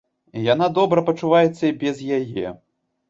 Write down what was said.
Яна добра пачуваецца і без яе.